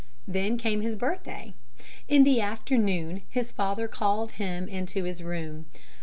Then came his birthday. In the afternoon his father called him into his room.